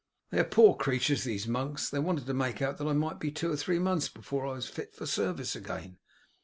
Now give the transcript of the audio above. They are poor creatures, these monks; they wanted to make out that it might be two or three months before I was fit for service again.